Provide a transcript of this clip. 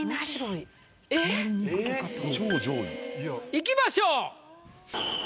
いきましょう。